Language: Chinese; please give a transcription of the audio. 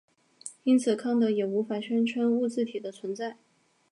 因此康德也无法宣称物自体的存在。